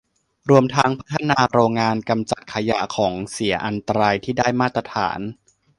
รวมทั้งพัฒนาโรงงานกำจัดขยะ ของเสียอันตรายที่ได้มาตรฐาน